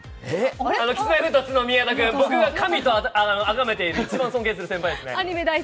Ｋｉｓ−Ｍｙ−Ｆｔ２の宮田君、僕が神とあがめている一番尊敬する先輩ですね。